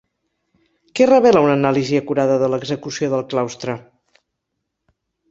Què revela una anàlisi acurada de l'execució del claustre?